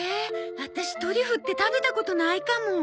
ワタシトリュフって食べたことないかも。